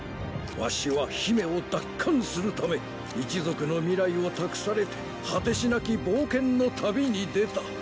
わしは姫を奪還するため一族の未来を託されて果てしなき冒険の旅に出た。